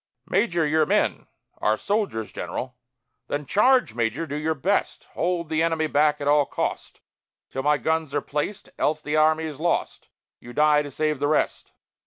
"Major, your men?" "Are soldiers, general." "Then, Charge, major! Do your best; Hold the enemy back at all cost, Till my guns are placed; else the army is lost. You die to save the rest!"